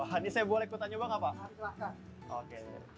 ini berapa lama pak